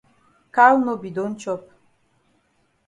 Cow no be don chop.